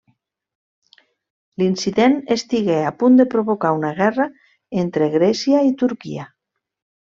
L'incident estigué a punt de provocar una guerra entre Grècia i Turquia.